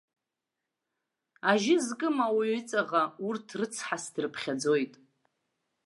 Ажьы зкым ауаҩ-ҵаӷа, урҭ рыцҳас дрыԥхьаӡоит.